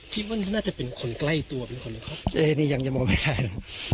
คิดว่าน่าจะเป็นคนใกล้ตัวเป็นคนหรือครับเอ๊นี่ยังจะบอกไม่ได้นะ